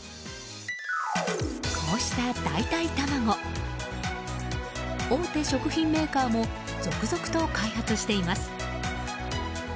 こうした代替卵大手食品メーカーも続々と開発しています。